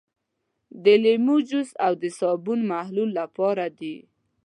د لیمو جوس او د صابون محلول پکار دي.